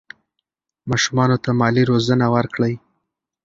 ماشومانو ته مالي روزنه ورکړئ.